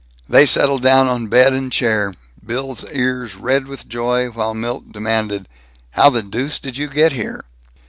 They settled down on bed and chair, Bill's ears red with joy, while Milt demanded: "How the deuce did you get here?"